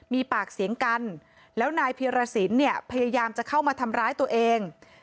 มีปากเสียงกันแล้วนายเพียรสินเนี่ยพยายามจะเข้ามาทำร้ายตัวเอง